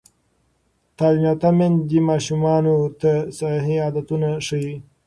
تعلیم یافته میندې ماشومانو ته صحي عادتونه ښيي.